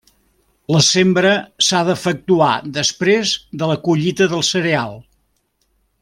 La sembra s'ha d'efectuar després de la collita del cereal.